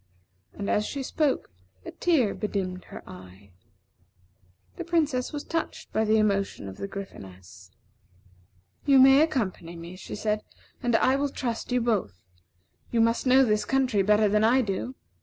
And as she spoke, a tear bedimmed her eye. The Princess was touched by the emotion of the Gryphoness. "You may accompany me," she said, "and I will trust you both. You must know this country better than I do.